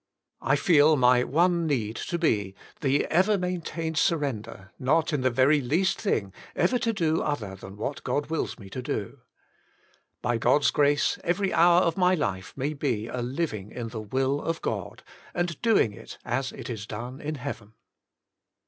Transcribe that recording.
I feel my one need to be, the ever maintained surrender, not, in the very least thing, ever to do other than what God wills me to do. By God's grace every hour of my life may be a living in the will of God, and doing it as it is done in heaven.